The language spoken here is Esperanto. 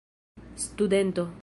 studento